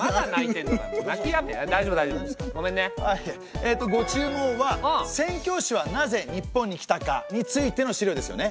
えっとご注文は宣教師はなぜ日本に来たか？についての資料ですよね。